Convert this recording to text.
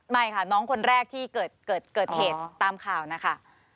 ไม่ค่ะน้องคนแรกที่เกิดเหตุตามข่าวนะคะ